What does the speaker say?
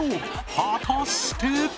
果たして